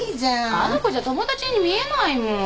あの子じゃ友達に見えないもん。